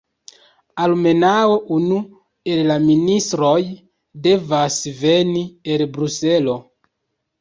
Almenaŭ unu el la ministroj devas veni el Bruselo.